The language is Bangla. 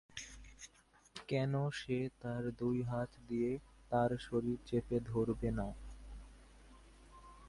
কেন সে তার দুই হাত দিয়ে তার শরীর চেপে ধরবে না।